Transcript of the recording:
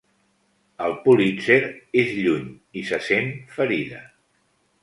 El Pulitzer és lluny i se sent ferida.